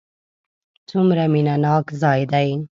څومره مینه ناک ځای دی.